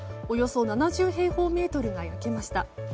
およそ７０平方メートルが焼けました。